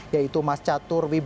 yaitu mas calon